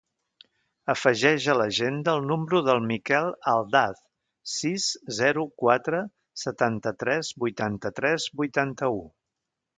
Afegeix a l'agenda el número del Miquel Aldaz: sis, zero, quatre, setanta-tres, vuitanta-tres, vuitanta-u.